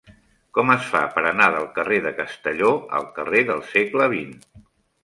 Com es fa per anar del carrer de Castelló al carrer del Segle XX?